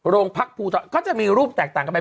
โรงพักภูทรก็จะมีรูปแตกต่างกันไป